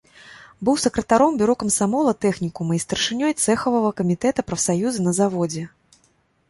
Быў сакратаром бюро камсамола тэхнікума і старшынёй цэхавага камітэта прафсаюза на заводзе.